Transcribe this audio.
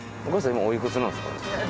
今おいくつなんですか？